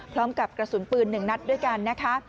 พร้อมกับกระสุนปืน๑นัดด้วยกันนะคะ